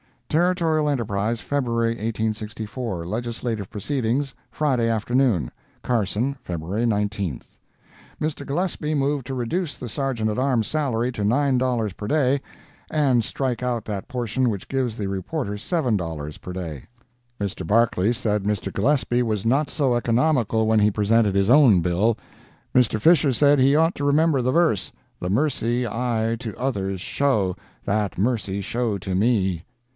Territorial Enterprise, February 1864 LEGISLATIVE PROCEEDINGS Friday afternoon CARSON, February 19 Mr. Gillespie moved to reduce the Sergeant at Arms' salary to $9 per day, and strike out that portion which gives the reporters $7 per day. Mr. Barclay said Mr. Gillespie was not so economical when he presented his own bill. Mr. Fisher said he ought to remember the verse, "The mercy I to others show, That mercy show to me."